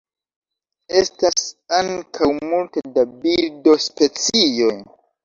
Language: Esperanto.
Estas ankaŭ multe da birdospecioj.